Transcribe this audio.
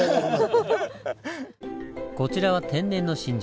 こちらは天然の真珠。